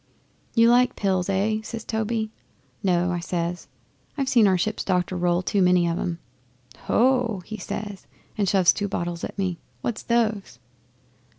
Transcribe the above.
'"You like pills eh?" says Toby. "No," I says. "I've seen our ship's doctor roll too many of em." '"Ho!" he says, and he shoves two bottles at me. "What's those?"